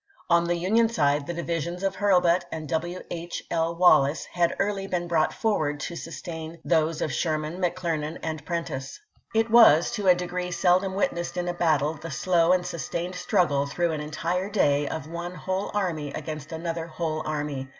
On the Union side the divisions of Hui lbut and W. H. L. Wallace had early been brought forward to sustain those of Sherman, McClernand, and Prentiss. It was, to a degree seldom witnessed in a battle, the slow and sustained struggle, through an entire day, of one whole army against another whole army.